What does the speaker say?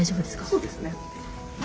そうですね。